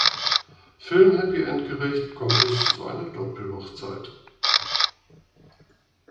Filmhappyendgerecht kommt es zu einer Doppelhochzeit.